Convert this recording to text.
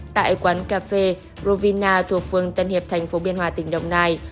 tại quán cà phê rovina thuộc phương tân hiệp tp biên hòa tỉnh đồng nai